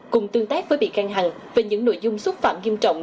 cùng tương tác với bị căng hẳn về những nội dung xúc phạm nghiêm trọng